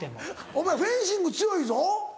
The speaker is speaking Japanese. お前フェンシング強いぞ。